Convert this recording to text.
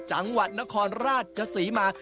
จังหวัดนครราชศรีมา